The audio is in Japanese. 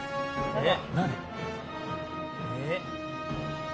えっ？